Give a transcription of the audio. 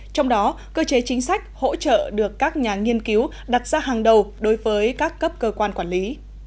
trong đó cơ chế chính sách hỗ trợ được các nhà nghiên cứu đặt ra hàng đầu đối với các cấp cơ quan quản lý